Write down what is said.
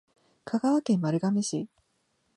香川県丸亀市